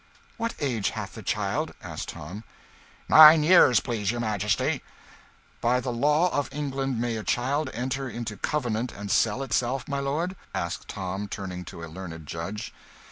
"What age hath the child?" asked Tom. "Nine years, please your Majesty." "By the law of England may a child enter into covenant and sell itself, my lord?" asked Tom, turning to a learned judge.